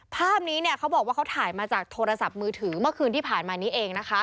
ภาพนี้เขาบอกว่าเขาถ่ายมาจากโทรศัพท์มือถือเมื่อคืนที่ผ่านมานี้เองนะคะ